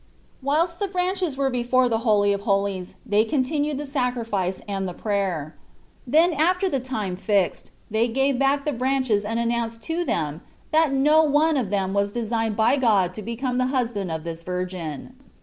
Whilst the branches were before the Holy of Holies they continued the sacri fice and the prayer; then after the time fixed, they gave back the branches and announced to them that no one of them was designed by God to become the husband of this virgin.